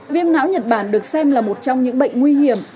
viêm não nhật bản được xem là một trong những bệnh nguy hiểm